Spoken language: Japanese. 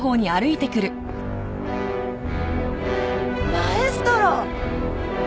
マエストロ！